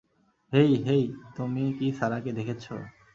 হেই, hey তুমি কি সারাকে দেখেছ?